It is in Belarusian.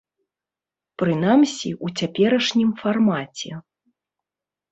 Прынамсі, у цяперашнім фармаце.